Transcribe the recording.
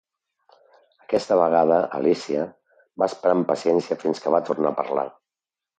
Aquesta vegada Alícia va esperar amb paciència fins que va tornar a parlar.